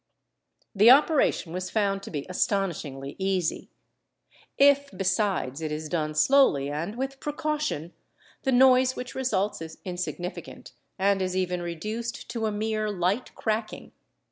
The operation was found to be astonishingly easy. If, besides, it is done slowly and with precaution the noise which results is insignificant and is even reduced to a mere light cracking.